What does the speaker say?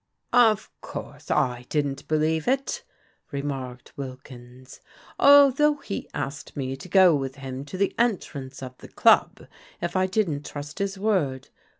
Of course I didn't believe it," remarked Wilkins, although he asked me to go with him to the entrance of the club if I didn't trust his word.